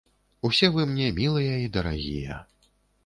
Усе вы мне мілыя і дарагія.